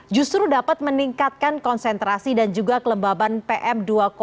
justru dapat meningkatkan konsentrasi dan juga kelembaban pm dua lima